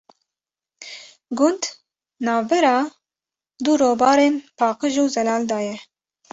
Gund navbera du robarên paqij û zelal da ye.